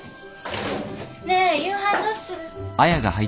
ねえ夕飯どうする？